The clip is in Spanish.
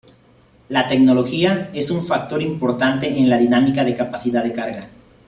La tecnología es un factor importante en la dinámica de la capacidad de carga.